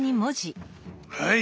はい。